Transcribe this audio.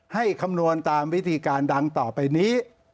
คำนวณตามวิธีการดังต่อไปนี้